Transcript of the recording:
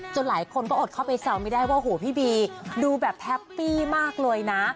หลายคนก็อดเข้าไปแซวไม่ได้ว่าโหพี่บีดูแบบแฮปปี้มากเลยนะ